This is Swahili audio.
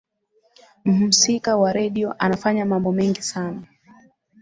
mhusika wa redio anafanya mambo mengi sana